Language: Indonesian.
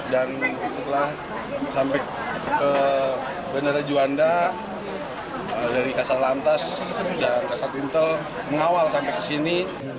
dan setelah sampai ke bandara juanda dari kasar lantas dan kasar pintel mengawal sampai ke sini